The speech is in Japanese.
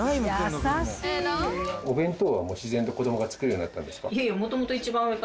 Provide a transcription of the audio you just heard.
お弁当は自然と子供が作るようになったんですか？